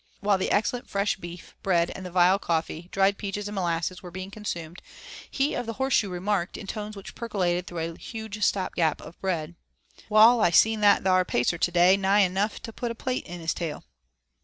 While the excellent fresh beef and bread and the vile coffee, dried peaches and molasses were being consumed, he of the horseshoe remarked, in tones which percolated through a huge stop gap of bread: "Wall, I seen that thar Pacer to day, nigh enough to put a plait in his tail."